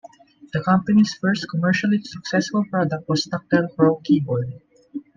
The company's first commercially successful product was Tactile Pro Keyboard.